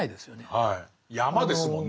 はい山ですもんね。